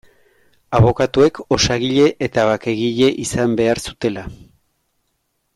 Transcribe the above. Abokatuek osagile eta bakegile izan behar zutela.